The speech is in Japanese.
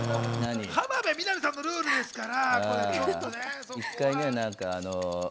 浜辺美波さんのルールですから。